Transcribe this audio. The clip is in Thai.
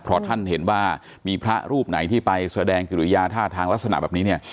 เพราะท่านเห็นว่ามีพระรูปไหนที่ไปแสดงกิริยาท่าทางลักษณะแบบนี้เนี่ย